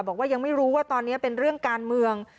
บอกว่ายังไม่รู้ว่าตอนนี้เป็นเรื่องการเมือง